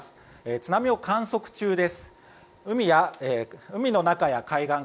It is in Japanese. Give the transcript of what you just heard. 津波を観測中です。